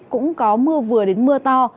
cũng có mưa vừa đến mưa to